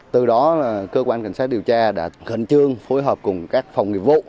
từ đó cơ quan cảnh sát điều tra đã gần chương phối hợp cùng các phòng nghiệp vụ